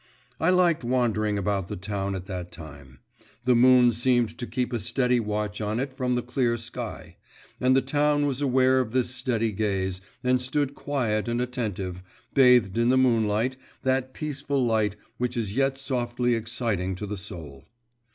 I liked wandering about the town at that time; the moon seemed to keep a steady watch on it from the clear sky; and the town was aware of this steady gaze, and stood quiet and attentive, bathed in the moonlight, that peaceful light which is yet softly exciting to the soul.